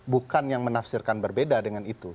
bukan yang menafsirkan berbeda dengan itu